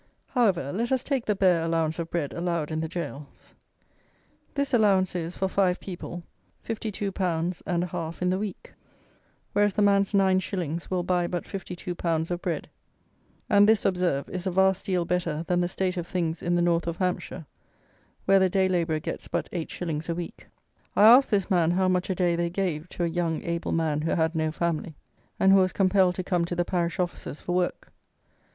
However, let us take the bare allowance of bread allowed in the gaols. This allowance is, for five people, fifty two pounds and a half in the week; whereas the man's nine shillings will buy but fifty two pounds of bread; and this, observe, is a vast deal better than the state of things in the north of Hampshire, where the day labourer gets but eight shillings a week. I asked this man how much a day they gave to a young able man who had no family, and who was compelled to come to the parish officers for work.